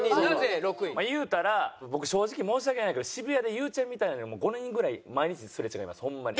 いうたら僕正直申し訳ないけど渋谷でゆうちゃみみたいなのに５人ぐらい毎日すれ違いますホンマに。